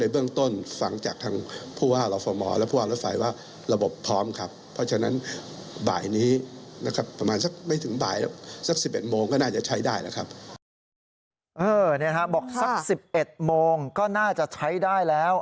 บอกสัก๑๑โมงก็น่าจะใช้ได้แล้ว